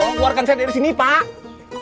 lu keluarkan saya dari sini pak